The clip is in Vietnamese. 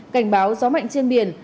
cảnh báo gió mạnh trên biển